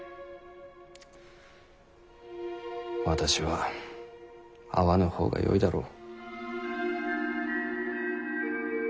私は会わぬ方がよいだろう。